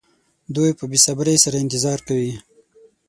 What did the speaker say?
دوی په بې صبرۍ سره انتظار کوي.